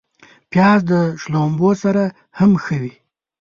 پیاز د شړومبو سره هم ښه وي